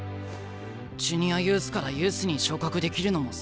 ジュニアユースからユースに昇格できるのも選抜制。